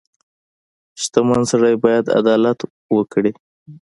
• شتمن سړی باید عدالت وکړي.